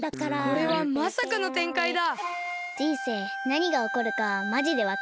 これはまさかのてんかいだ。